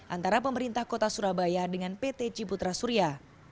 antara pemerintah kota surabaya dengan pt ciputra surya